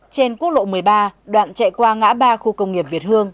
trên quốc lộ một mươi ba đoạn chạy qua ngã ba khu công nghiệp việt hương